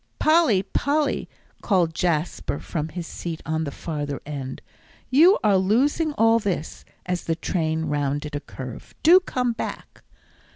"Polly, Polly," called Jasper from his seat on the farther end, "you are losing all this," as the train rounded a curve. "Do come back."